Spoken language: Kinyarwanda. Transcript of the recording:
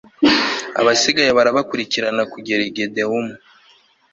abasigaye barabakurikirana kugera i gidewomu